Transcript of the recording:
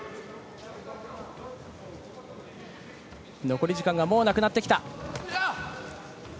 残り時間がもうなくなってきた。